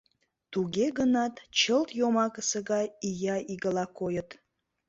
Туге гынат чылт йомакысе гай ия игыла койыт.